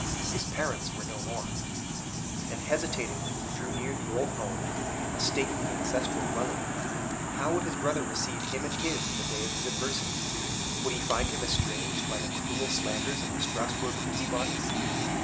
His parents were no more; and hesitatingly he drew near the old home, a stately ancestral dwelling. How would his brother receive him and his in the day of his adversity? Would he find him estranged by the cruel slanders of the Strasbourg busybodies?